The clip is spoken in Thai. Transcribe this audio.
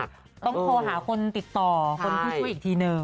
ต้องโทรหาคนติดต่อคนผู้ช่วยอีกทีนึง